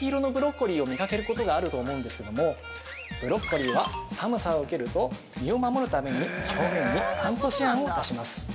ブロッコリーは寒さを受けると身を守るために表面にアントシアンを出します。